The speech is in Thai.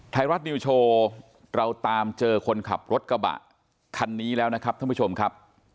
ไทยรัฐนิวโชว์เราตามเจอคนขับรถกระบะคันนี้แล้วนะครับท่านผู้ชมครับ